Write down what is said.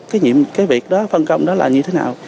cái việc đó phân công đó là như thế nào